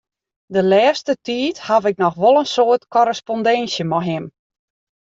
De lêste tiid haw ik noch wol in soad korrespondinsje mei him.